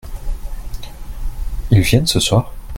ils viennent ce soir ?